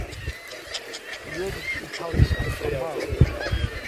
Related to Italian amaro.